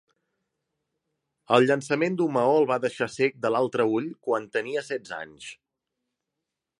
El llançament d'un maó el va deixar cec de l'altre ull quan tenia setze anys.